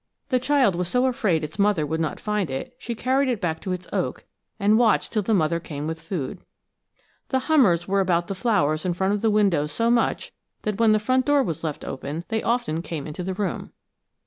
The child was so afraid its mother would not find it she carried it back to its oak and watched till the mother came with food. The hummers were about the flowers in front of the windows so much that when the front door was left open they often came into the room.